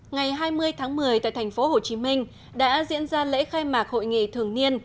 ngày hai mươi tháng một mươi tại thành phố hồ chí minh đã diễn ra lễ khai mạc hội nghị thường niên